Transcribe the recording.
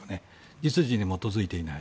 実需に基づいていない。